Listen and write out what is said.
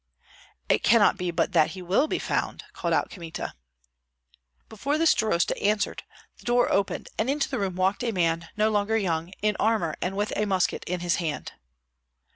"It cannot be but that he will be found," called out Kmita. Before the starosta answered the door opened, and into the room walked a man no longer young, in armor and with a musket in his hand.